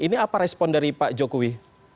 ini apa respon dari pak jokowi